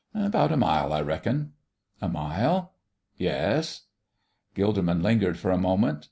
"About a mile, I reckon." "A mile?" "Yes." Gilderman lingered for a moment.